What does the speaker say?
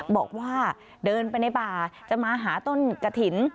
บอกว่าเดินไปในป่าจะมาหาต้นกะถิ่น